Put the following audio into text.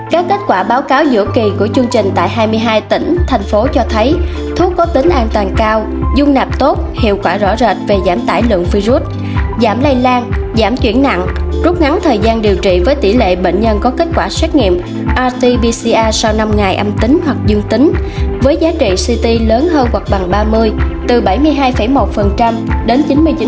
các kết quả báo cáo giữa kỳ của chương trình tại hai mươi hai tỉnh thành phố cho thấy thuốc có tính an toàn cao dung nạp tốt hiệu quả rõ rệt về giảm tải lượng virus giảm lây lan giảm chuyển nặng rút ngắn thời gian điều trị với tỷ lệ bệnh nhân có kết quả xét nghiệm rt pcr sau năm ngày âm tính hoặc dương tính với giá trị ct lớn hơn hoặc bằng ba mươi từ bảy mươi hai một đến chín mươi chín một